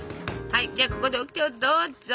はいじゃあここでオキテをどうぞ！